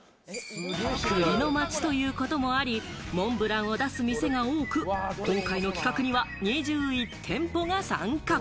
栗の町ということもあり、モンブランを出す店が多く、今回の企画には２１店舗が参加。